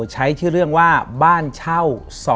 ใช้ชื่อเรื่องว่าบ้านเช่า๒